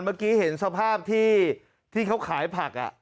เมื่อกี้เห็นสภาพที่เขาขายผัก